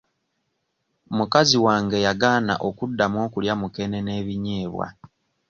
Mukazi wange yagaana okuddamu okulya mukene n'ebinyeebwa.